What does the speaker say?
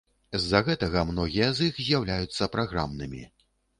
З-за гэтага многія з іх з'яўляюцца праграмнымі.